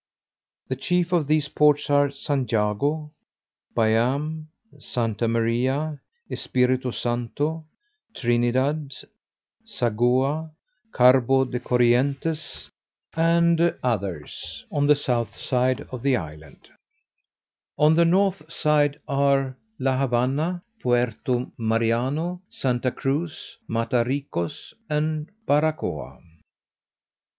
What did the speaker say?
The chief of these ports are San Jago, Byame, Santa Maria, Espiritu Santo, Trinidad, Zagoa, Cabo de Corientes, and others, on the south side of the island: on the north side are, La Havanna, Puerto Mariano, Santa Cruz, Mata Ricos, and Barracoa.